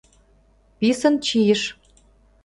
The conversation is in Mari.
Писын чийыш.